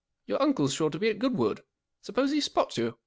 Your uncle's sure to be at Goodwood. Suppose he spots you